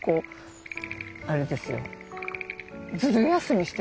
あれですよ